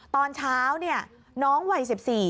ตอนเช้าน้องวัย๑๔